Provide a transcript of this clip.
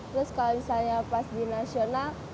terus kalau misalnya pas di nasional